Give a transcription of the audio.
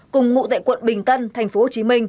cùng ngụ tại quận bình tân tp hcm